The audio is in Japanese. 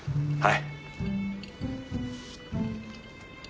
はい！